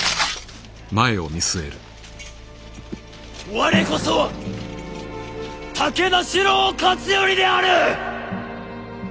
我こそは武田四郎勝頼である！